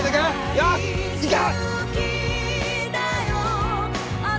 よし行け！